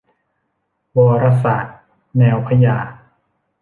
วรศาสส์ แนวพญา